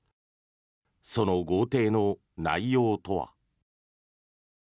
その豪邸の内容とは。